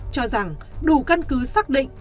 cho rằng đủ căn cứ xác định